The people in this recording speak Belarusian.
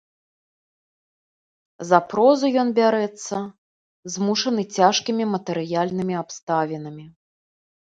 За прозу ён бярэцца, змушаны цяжкімі матэрыяльнымі абставінамі.